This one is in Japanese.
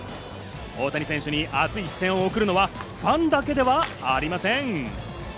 大谷選手に熱い視線を送るのはファンだけではありません。